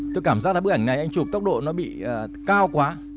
tôi cảm giác là bức ảnh này anh chụp tốc độ nó bị cao quá